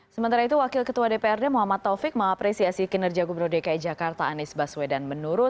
sementara itu wakil ketua dprd muhammad taufik mengapresiasi kinerja gubernur dki jakarta anies baswedan